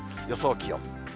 予想気温。